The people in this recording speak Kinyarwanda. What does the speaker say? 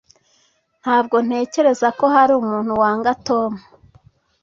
Ntabwo ntekereza ko hari umuntu wanga Tom.